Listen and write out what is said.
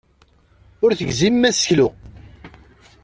Ur tegzimem aseklu.